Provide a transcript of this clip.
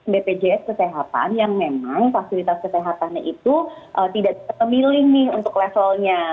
bpjs kesehatan yang memang fasilitas kesehatannya itu tidak memilih nih untuk levelnya